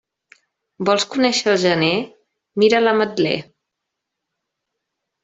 Vols conéixer el gener? Mira l'ametler.